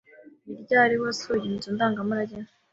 Ni ryari wasuye inzu ndangamurage?